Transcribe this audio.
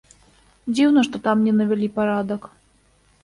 Дзіўна, што там не навялі парадак.